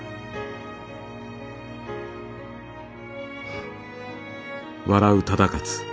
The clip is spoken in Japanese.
フッ。